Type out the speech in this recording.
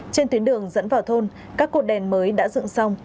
trên tuyến đường dẫn vào thôn các cột đèn mới đã dựng xong